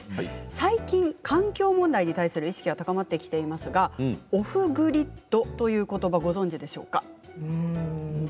最近、環境問題に対する意識が高まってきていますがオフグリッドということばをご存じですか？